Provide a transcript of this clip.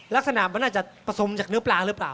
ลักษณะมันน่าจะผสมจากเนื้อปลาหรือเปล่า